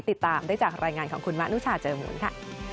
ติดตามได้จากรายงานของคุณมะนุชาเจอมูลค่ะ